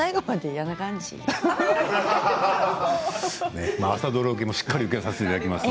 笑い声朝ドラ受けもしっかり受けさせていただきました。